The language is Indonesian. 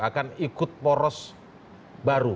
akan ikut poros baru